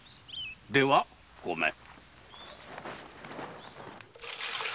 ではごめん。